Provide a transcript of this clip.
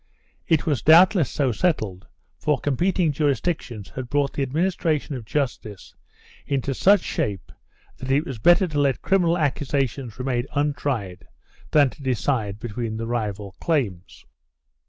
It was doubtless so settled, for competing jurisdic tions had brought the administration of justice into such shape that it was better to let criminal accusations remain untried than to decide between the rival claims.